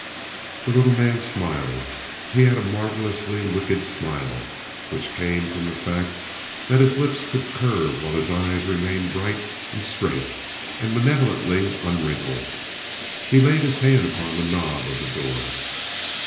The little man smiled. He had a marvelously wicked smile, which came from the fact that his lips could curve while his eyes remained bright and straight, and malevolently unwrinkled. He laid his hand on the knob of the door.